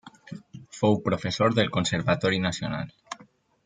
Fou professor del Conservatori Nacional.